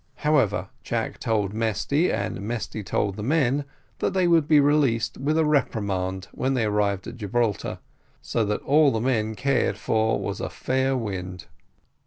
However, Jack told Mesty, and Mesty told the men, that they would be released with a reprimand when they arrived at Gibraltar, so all that the men cared for was a fair wind.